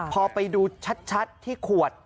พอไปดูชัดที่ขวด